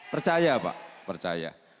percaya pak percaya